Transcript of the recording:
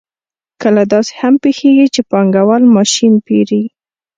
کله داسې هم پېښېږي چې پانګوال ماشین پېري